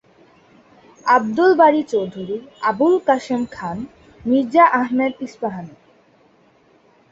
Abdul Bari Chowdhury, Abul Kasem Khan, Mirza Ahmed Ispahani.